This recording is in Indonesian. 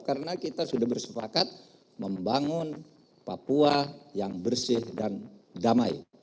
karena kita sudah bersepakat membangun papua yang bersih dan damai